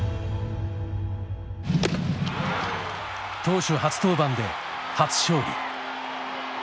投手初登板で初勝利。